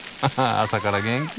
朝から元気！